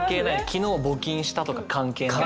昨日募金したとか関係ない。